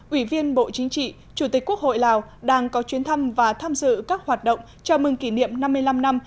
ủy viên bộ chính trị chủ tịch quốc hội lào đang có chuyến thăm và tham dự các hoạt động chào mừng kỷ niệm năm mươi năm năm